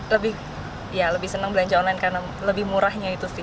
lebih ya lebih senang belanja online karena lebih murahnya itu sih